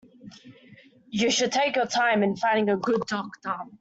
You should take your time in finding a good doctor.